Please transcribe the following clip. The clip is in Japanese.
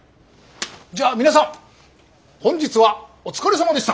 じゃあ皆さん本日はお疲れさまでした！